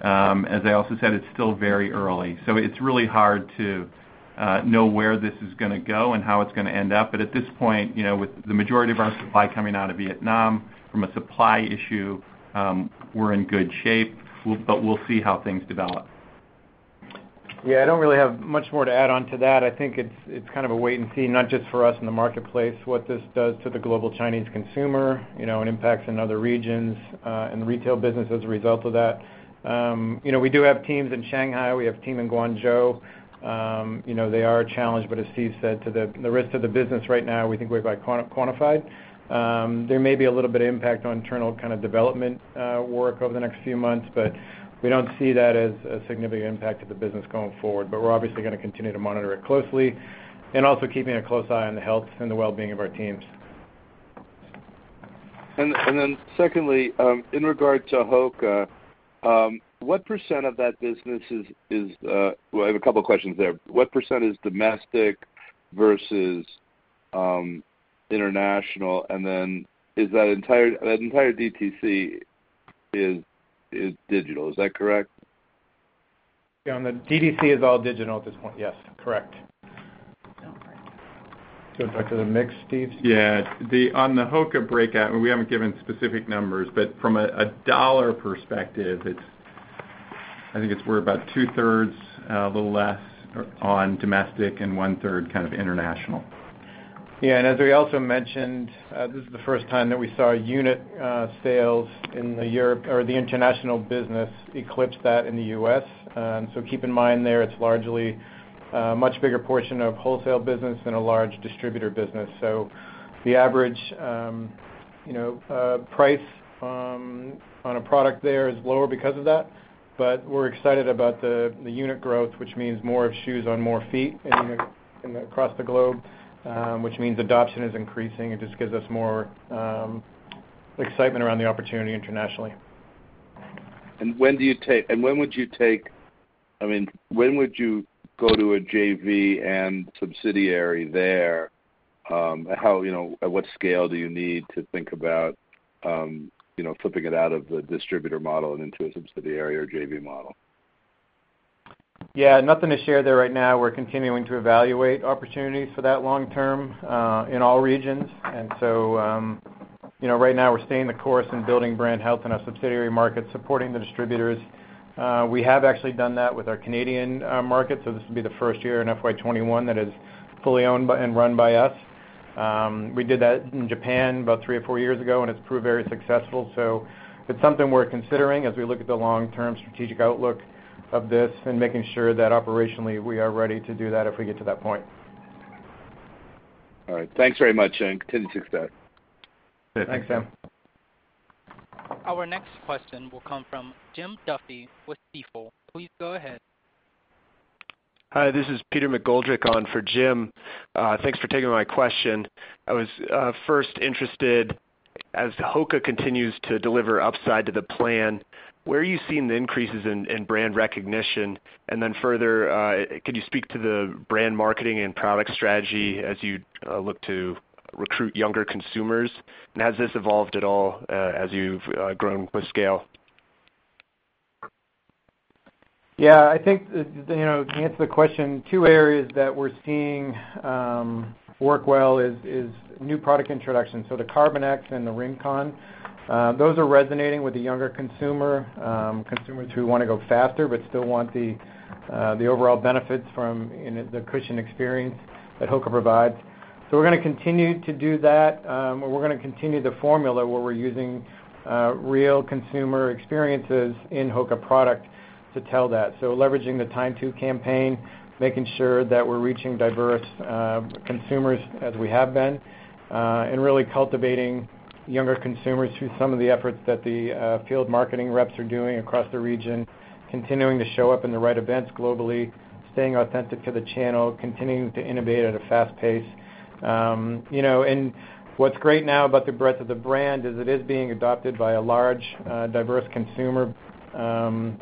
As I also said, it's still very early. It's really hard to know where this is going to go and how it's going to end up. At this point, with the majority of our supply coming out of Vietnam from a supply issue, we're in good shape. We'll see how things develop. Yeah. I don't really have much more to add on to that. I think it's kind of a wait-and-see, not just for us in the marketplace, what this does to the global Chinese consumer, and impacts in other regions, and the retail business as a result of that. We do have teams in Shanghai. We have team in Guangzhou. They are a challenge. As Steve said, to the rest of the business right now, we think we've quantified. There may be a little bit of impact on internal development work over the next few months, but we don't see that as a significant impact to the business going forward. We're obviously going to continue to monitor it closely and also keeping a close eye on the health and the well-being of our teams. Secondly, in regard to HOKA, I have a couple questions there. What percentage is domestic versus international, and then is that entire DTC is digital, is that correct? Yeah. The DTC is all digital at this point. Yes. Correct. Back to the mix, Steve? Yeah. On the HOKA breakout, we haven't given specific numbers. From a dollar perspective, I think we're about $93.1 million, a little less on domestic, and $31.0 million kind of international. Yeah. As we also mentioned, this is the first time that we saw unit sales in the international business eclipse that in the U.S. Keep in mind there, it's largely a much bigger portion of wholesale business than a large distributor business. The average price on a product there is lower because of that. We're excited about the unit growth, which means more shoes on more feet across the globe, which means adoption is increasing. It just gives us more excitement around the opportunity internationally. When would you go to a JV and subsidiary there? At what scale do you need to think about flipping it out of the distributor model and into a subsidiary or JV model? Yeah, nothing to share there right now. We're continuing to evaluate opportunities for that long term, in all regions. Right now we're staying the course and building brand health in our subsidiary markets, supporting the distributors. We have actually done that with our Canadian market, so this will be the first year in FY 2021 that is fully owned and run by us. We did that in Japan about three or four years ago, and it's proved very successful. It's something we're considering as we look at the long-term strategic outlook of this and making sure that operationally we are ready to do that if we get to that point. All right. Thanks very much and continue the success. Thanks, Sam. Our next question will come from Jim Duffy with Stifel. Please go ahead. Hi, this is Peter McGoldrick on for Jim. Thanks for taking my question. I was first interested, as HOKA continues to deliver upside to the plan, where are you seeing the increases in brand recognition? Further, could you speak to the brand marketing and product strategy as you look to recruit younger consumers? Has this evolved at all as you've grown with scale? Yeah. I think, to answer the question, two areas that we're seeing work well is new product introductions, so the Carbon X and the Rincon. Those are resonating with the younger consumer, consumers who want to go faster, but still want the overall benefits from the cushion experience that HOKA provides. We're going to continue to do that, and we're going to continue the formula where we're using real consumer experiences in HOKA products to tell that. Leveraging the Time To Fly campaign, making sure that we're reaching diverse consumers as we have been, and really cultivating younger consumers through some of the efforts that the field marketing reps are doing across the region. Continuing to show up in the right events globally, staying authentic to the channel, continuing to innovate at a fast pace. What's great now about the breadth of the brand is it is being adopted by a large, diverse consumer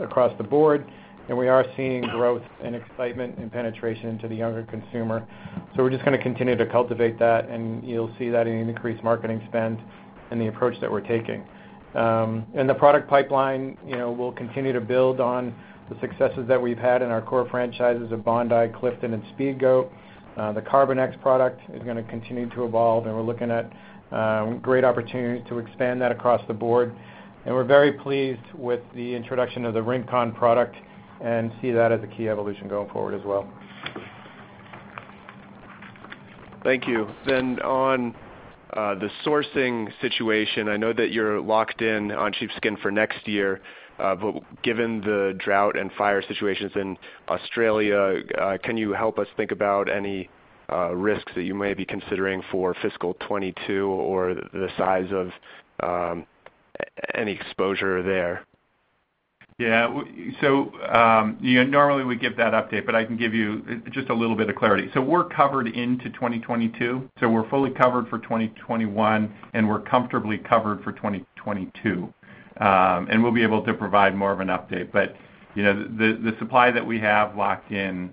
across the board, and we are seeing growth, and excitement, and penetration into the younger consumer. We're just going to continue to cultivate that, and you'll see that in increased marketing spend and the approach that we're taking. In the product pipeline, we'll continue to build on the successes that we've had in our core franchises of Bondi, Clifton, and Speedgoat. The Carbon X product is going to continue to evolve, and we're looking at great opportunities to expand that across the board. We're very pleased with the introduction of the Rincon product and see that as a key evolution going forward as well. Thank you. On the sourcing situation, I know that you're locked in on sheepskin for next year. Given the drought and fire situations in Australia, can you help us think about any risks that you may be considering for fiscal 2022 or the size of any exposure there? Yeah. Normally, we give that update, but I can give you just a little bit of clarity. We're covered into 2022, so we're fully covered for 2021, and we're comfortably covered for 2022. We'll be able to provide more of an update. The supply that we have locked in,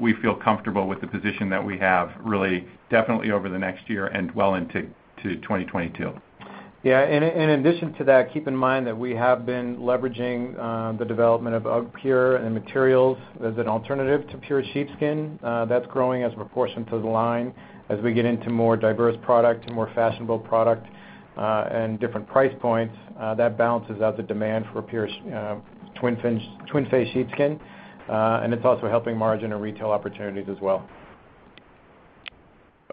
we feel comfortable with the position that we have, really, definitely over the next year and well into 2022. Yeah. In addition to that, keep in mind that we have been leveraging the development of UGGpure and materials as an alternative to pure sheepskin. That's growing as a proportion to the line as we get into more diverse products and more fashionable product, and different price points. That balances out the demand for pure, Twin-face sheepskin. It's also helping margin and retail opportunities as well.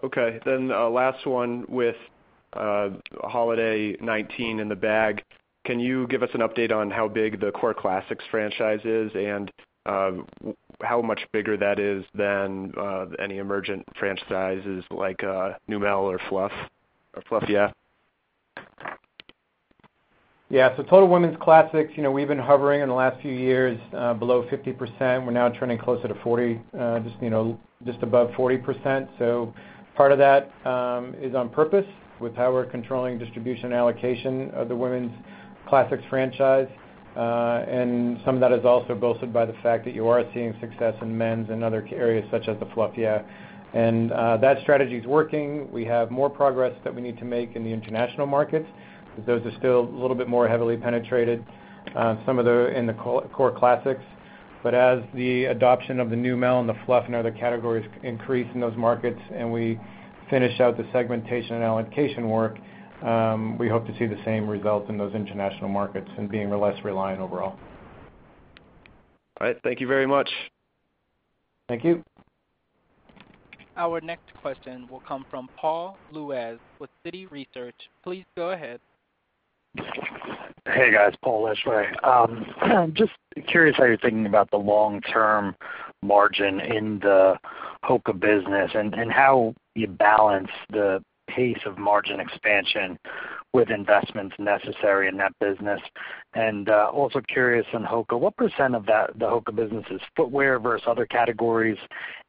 Okay, last one. With holiday 2019 in the bag, can you give us an update on how big the core classics franchise is and how much bigger that is than any emergent franchises like Neumel or Fluff, yeah? Yeah. Total women's classics, we've been hovering in the last few years below 50%. We're now turning closer to 40%, just above 40%. Part of that is on purpose with how we're controlling distribution allocation of the women's classics franchise. Some of that is also bolstered by the fact that you are seeing success in men's and other key areas, such as the Fluff Yeah. That strategy is working. We have more progress that we need to make in the international markets, because those are still a little bit more heavily penetrated, some of the core classics. As the adoption of the Neumel and the Fluff and other categories increases in those markets, and we finish out the segmentation and allocation work, we hope to see the same results in those international markets and being less reliant overall. All right. Thank you very much. Thank you. Our next question will come from Paul Lejuez with Citi Research. Please go ahead. Hey, guys. Paul Lejuez. Just curious how you're thinking about the long-term margin in the HOKA business and how you balance the pace of margin expansion with investments necessary in that business. Also curious on HOKA, what percent of the HOKA business is footwear versus other categories,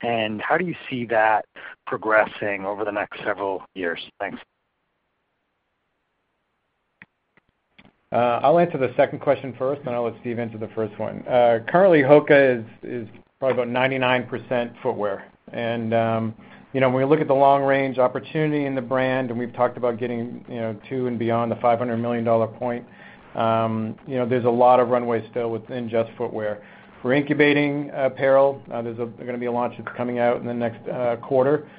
and how do you see that progressing over the next several years? Thanks. I'll answer the second question first, then I'll let Steve answer the first one. Currently, HOKA is probably about 99% footwear. When we look at the long-range opportunity in the brand, and we've talked about getting to and beyond the $500 million point, there's a lot of runway still within just footwear. We're incubating apparel. There's going to be a launch that's coming out in the next quarter,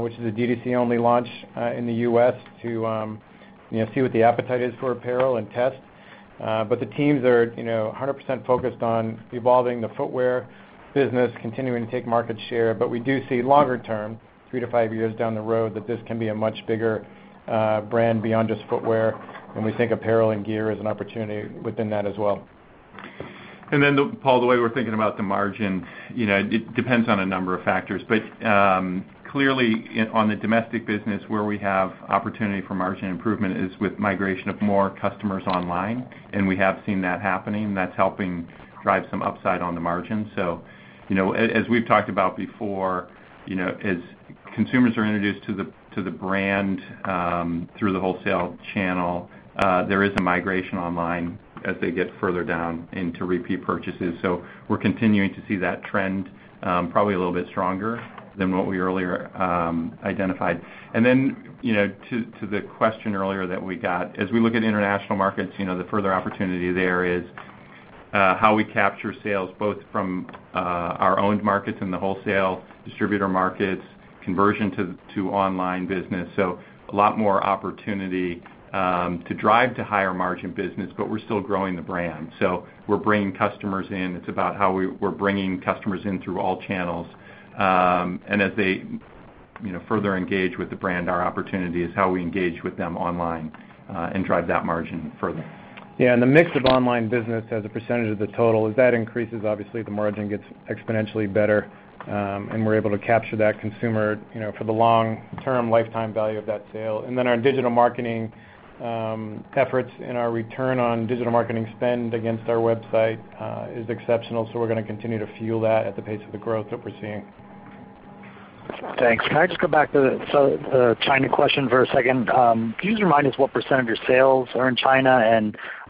which is a D2C-only launch in the U.S., to see what the appetite is for apparel and test. The teams are 100% focused on evolving the footwear business, continuing to take market share. We do see longer term, three to five years down the road, that this can be a much bigger brand beyond just footwear, and we think apparel and gear as an opportunity within that as well. Paul Lejuez, the way we're thinking about the margin, it depends on a number of factors. Clearly, on the domestic business where we have opportunity for margin improvement is with migration of more customers online, and we have seen that happening. That's helping drive some upside on the margin. As we've talked about before, as consumers are introduced to the brand through the wholesale channel, there is a migration online as they get further down into repeat purchases. We're continuing to see that trend, probably a little bit stronger than what we earlier identified. To the question earlier that we got, as we look at international markets, the further opportunity there is how we capture sales both from our own markets and the wholesale distributor markets, conversion to online business. A lot more opportunity to drive to higher margin business, but we're still growing the brand. We're bringing customers in. It's about how we're bringing customers in through all channels. As they further engage with the brand, our opportunity is how we engage with them online and drive that margin further. Yeah, the mix of online business as a percentage of the total, as that increases, obviously the margin gets exponentially better, and we're able to capture that consumer for the long-term lifetime value of that sale. Our digital marketing efforts and our return on digital marketing spend against our website is exceptional, so we're going to continue to fuel that at the pace of the growth that we're seeing. Thanks. Can I just go back to the China question for a second? Can you just remind us what percentage of your sales are in China?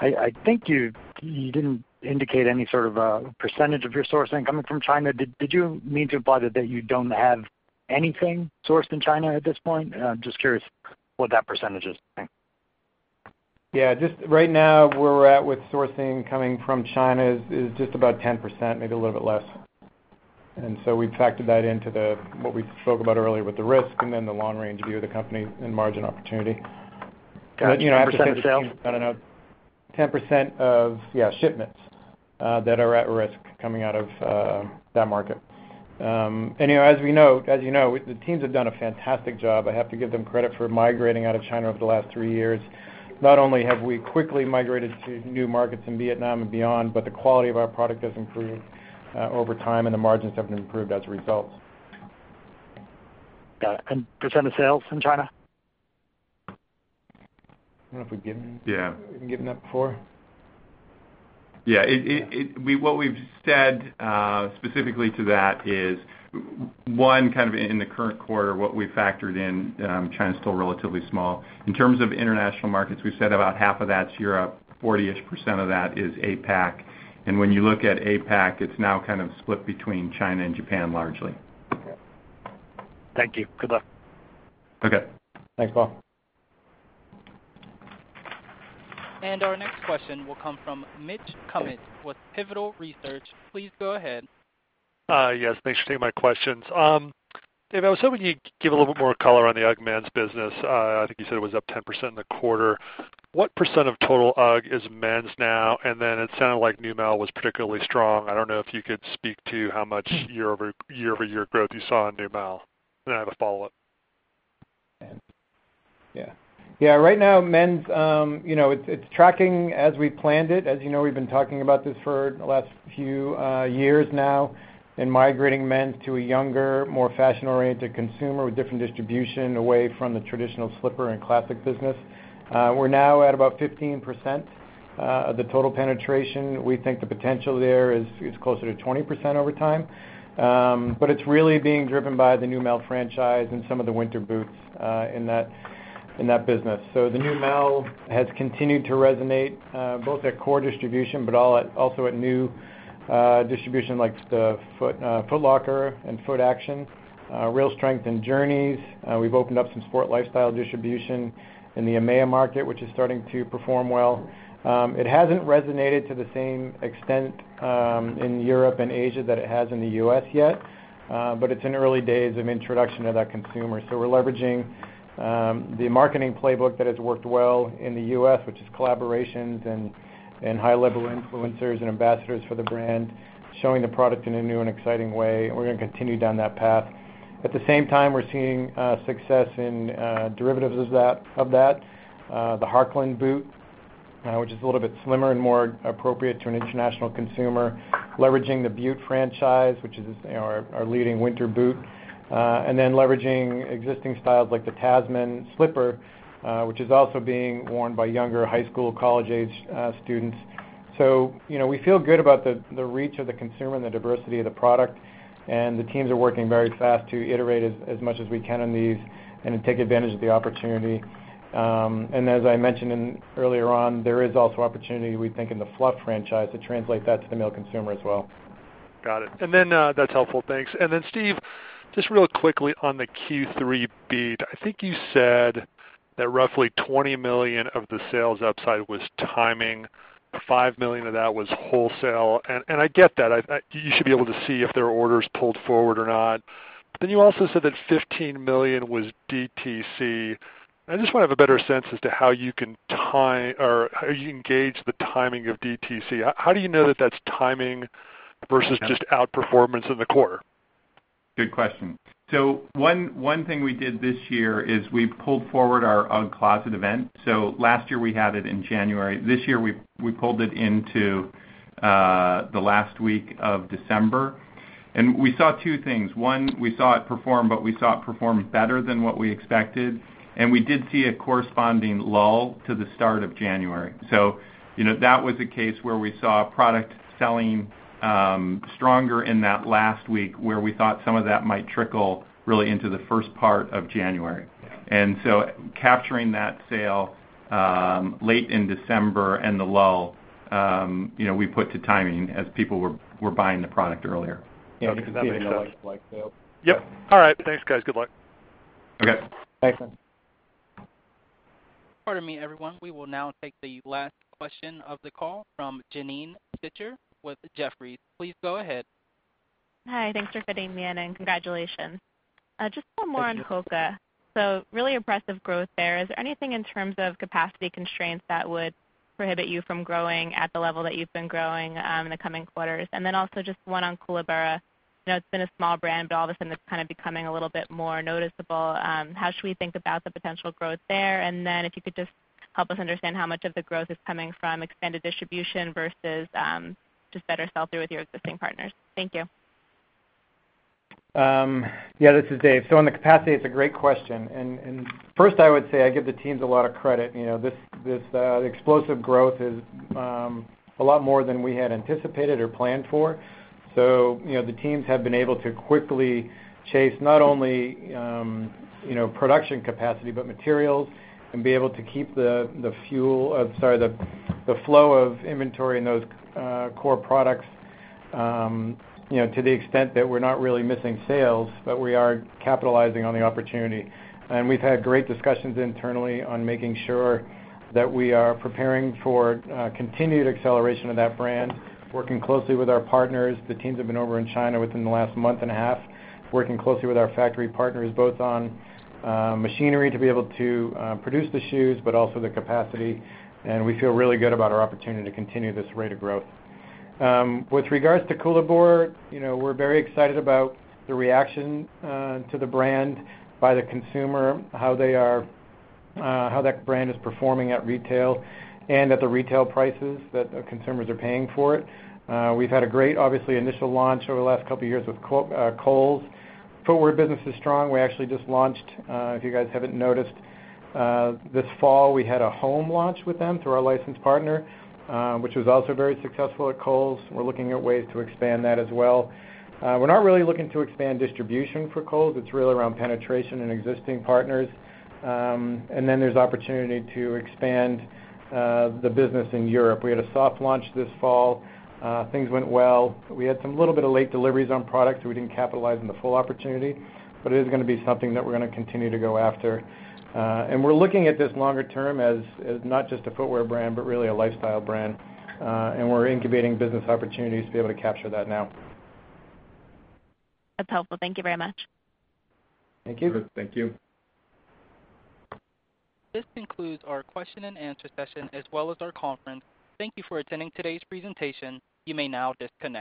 I think you didn't indicate any sort of a percentage of your sourcing coming from China. Did you mean to imply that you don't have anything sourced in China at this point? I'm just curious what that percentage is? Thanks. Yeah. Just right now, where we're at with sourcing coming from China is just about 10%, maybe a little bit less. We've factored that into what we spoke about earlier with the risk and then the long-range view of the company and margin opportunity. Got it. 10% of sales? 10% of, yeah, shipments that are at risk coming out of that market. As you know, the teams have done a fantastic job. I have to give them credit for migrating out of China over the last three years. Not only have we quickly migrated to new markets in Vietnam and beyond, but the quality of our product has improved over time, and the margins have improved as a result. Got it. Then percent of sales from China? I don't know if we've given that before. Yeah. What we've said specifically to that is, one, kind of in the current quarter, what we factored in China is still relatively small. In terms of international markets, we've said about 50% of that's Europe, 40%-ish of that is APAC. When you look at APAC, it's now kind of split between China and Japan largely. Okay. Thank you. Good luck. Okay. Thanks, Paul. Our next question will come from Mitch Kummetz with Pivotal Research. Please go ahead. Yes, thanks for taking my questions. Dave, I was hoping you could give a little bit more color on the UGG men's business. I think you said it was up 10% in the quarter. What percent of total UGG is men's now? It sounded like Neumel was particularly strong. I don't know if you could speak to how much year-over-year growth you saw in Neumel? Then I have a follow-up. Right now, men's, it's tracking as we planned it. As you know, we've been talking about this for the last few years now and migrating men to a younger, more fashion-oriented consumer with different distribution away from the traditional slipper and Classic business. We're now at about 15% of the total penetration. We think the potential there is closer to 20% over time. It's really being driven by the Neumel franchise and some of the winter boots in that business. The Neumel has continued to resonate both at core distribution, but also at new distribution like Foot Locker and Footaction, real strength in Journeys. We've opened up some sport lifestyle distribution in the EMEA market, which is starting to perform well. It hasn't resonated to the same extent in Europe and Asia that it has in the U.S. yet. It's in early days of introduction of that consumer. We're leveraging the marketing playbook that has worked well in the U.S., which is collaborations and high-level influencers and ambassadors for the brand, showing the product in a new and exciting way. We're going to continue down that path. At the same time, we're seeing success in derivatives of that, the Harkland boot, which is a little bit slimmer and more appropriate to an international consumer, leveraging the Butte franchise, which is our leading winter boot. Leveraging existing styles like the Tasman slipper, which is also being worn by younger high school, college-age students. We feel good about the reach of the consumer and the diversity of the product, and the teams are working very fast to iterate as much as we can on these and then take advantage of the opportunity. As I mentioned earlier on, there is also opportunity, we think, in the Fluff franchise to translate that to the male consumer as well. Got it. That's helpful. Thanks. Then Steve, just really quickly on the Q3 beat, I think you said that roughly $20 million of the sales upside was timing, $5 million of that was wholesale, and I get that. You should be able to see if there are orders pulled forward or not. Then you also said that $15 million was DTC. I just want to have a better sense as to how you gauge the timing of DTC. How do you know that that's timing versus just outperformance in the quarter? Good question. One thing we did this year is we pulled forward our UGG Closet event. Last year, we had it in January. This year, we pulled it into the last week of December. We saw two things. One, we saw it perform, but we saw it perform better than what we expected, and we did see a corresponding low to the start of January. That was a case where we saw product selling stronger in that last week, where we thought some of that might trickle really into the first part of January. Capturing that sale late in December and the low, we put to timing as people were buying the product earlier because of the like sales. Yeah. I think that makes sense. Yep. All right. Thanks, guys. Good luck. Okay. Thanks. Pardon me, everyone. We will now take the last question of the call from Janine Stichter with Jefferies. Please go ahead. Hi. Thanks for fitting me in, and congratulations. Just a little more on HOKA. Really impressive growth there. Is there anything in terms of capacity constraints that would prohibit you from growing at the level that you've been growing in the coming quarters? Also just one on Koolaburra. I know it's been a small brand, but all of a sudden, it's kind of becoming a little bit more noticeable. How should we think about the potential growth there? If you could just help us understand how much of the growth is coming from expanded distribution versus just better sell-through with your existing partners? Thank you. Yeah, this is Dave. On the capacity, it's a great question. First, I would say I give the teams a lot of credit. This explosive growth is a lot more than we had anticipated or planned for. The teams have been able to quickly chase not only production capacity, but materials, and be able to keep the flow of inventory in those core products, to the extent that we're not really missing sales, but we are capitalizing on the opportunity. We've had great discussions internally on making sure that we are preparing for continued acceleration of that brand, working closely with our partners. The teams have been over in China within the last month and a half, working closely with our factory partners, both on machinery to be able to produce the shoes, but also the capacity. We feel really good about our opportunity to continue this rate of growth. With regards to Koolaburra, we are very excited about the reaction to the brand by the consumer, how that brand is performing at retail, and at the retail prices that consumers are paying for it. We have had a great, obviously, initial launch over the last couple of years with Kohl's. Footwear business is strong. We actually just launched, if you guys haven't noticed, this fall we had a home launch with them through our licensed partner, which was also very successful at Kohl's. We are looking at ways to expand that as well. We are not really looking to expand distribution for Kohl's. It's really around penetration and existing partners. There's opportunity to expand the business in Europe. We had a soft launch this fall. Things went well. We had some little bit of late deliveries on product, so we didn't capitalize on the full opportunity, but it is going to be something that we're going to continue to go after. We're looking at this longer term as not just a footwear brand, but really a lifestyle brand, and we're incubating business opportunities to be able to capture that now. That's helpful. Thank you very much. Thank you. Thank you. This concludes our question-and-answer session, as well as our conference. Thank you for attending today's presentation. You may now disconnect.